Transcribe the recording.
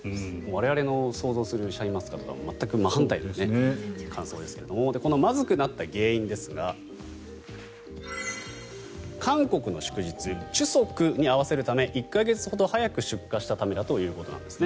我々の想像するシャインマスカットとは全く真反対の感想ですがこのまずくなった原因ですが韓国の祝日、秋夕に合わせるため１か月ほど早く出荷したためだということです。